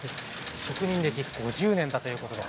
職人歴５０年ということです。